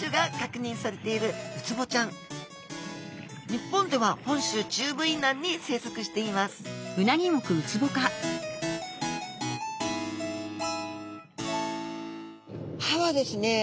日本では本州中部以南に生息しています歯はですね